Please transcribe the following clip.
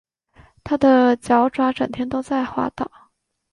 它的脚爪整天都在滑倒